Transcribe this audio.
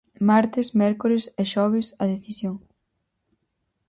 Martes, mércores e xoves, a decisión.